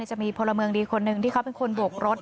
จะมีพลเมืองดีคนหนึ่งที่เขาเป็นคนโบกรถ